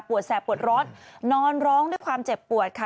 แสบปวดร้อนนอนร้องด้วยความเจ็บปวดค่ะ